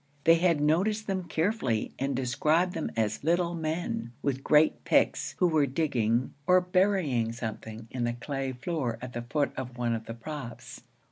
They had noticed them carefully, and described them as little men, with great picks, who were digging or burying something in the clay floor at the foot of one of the props.